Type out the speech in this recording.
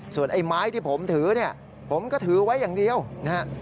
ส่วนไอ้ไม้ที่ผมถือเนี่ยผมก็ถือไว้อย่างเดียวนะฮะ